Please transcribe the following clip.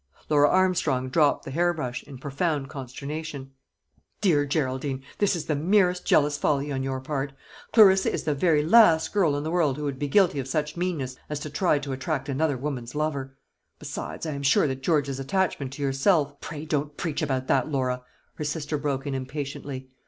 Laura Armstrong dropped the hair brush, in profound consternation. "My dear Geraldine, this is the merest jealous folly on your part. Clarissa is the very last girl in the world who would be guilty of such meanness as to try and attract another woman's lover. Besides, I am sure that George's attachment to yourself " "Pray, don't preach about that, Laura!" her sister broke in impatiently.